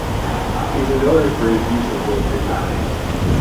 He's been noted for his use of low frequencies.